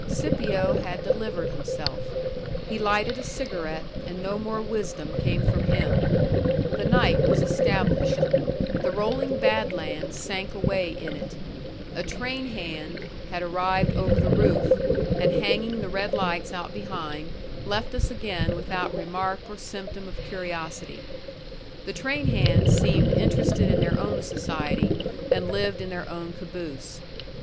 Scipio had delivered himself. He lighted a cigarette, and no more wisdom came from him. The night was established. The rolling bad lands sank away in it. A train hand had arrived over the roof, and hanging the red lights out behind, left us again without remark or symptom of curiosity. The train hands seemed interested in their own society and lived in their own caboose.